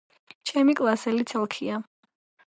ჩემი კლასელი ცელქია